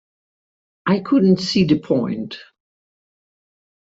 I couldn't see the point.